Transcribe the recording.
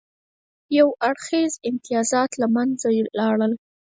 یو اړخیز امتیازات له منځه لاړل.